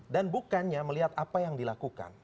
dan bukannya melihat apa yang dilakukan